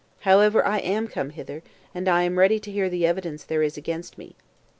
However, I am come hither, and am ready to hear the evidence there is against me.